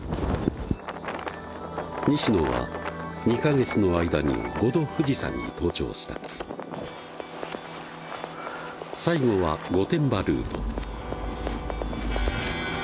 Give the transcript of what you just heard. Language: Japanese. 西野は２か月の間に５度富士山に登頂した最後は御殿場ルート